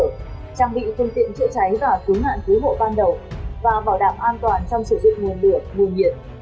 trang bị thương tiện chữa cháy và cứu nạn cứu hộ ban đầu và bảo đảm an toàn trong sự duyệt nguồn lửa nguồn nhiệt